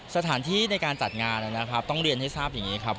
สถานที่ในการจัดงานนะครับต้องเรียนให้ทราบอย่างนี้ครับ